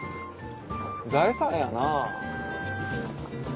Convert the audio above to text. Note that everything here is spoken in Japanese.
財産やな。